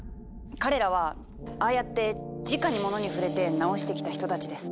彼らはああやってじかに物に触れて直してきた人たちです。